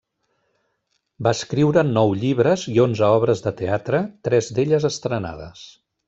Va escriure nou llibres i onze obres de teatre, tres d'elles estrenades.